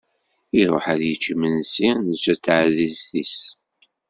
Iruḥ ad yečč imensi netta d teɛzizt-is.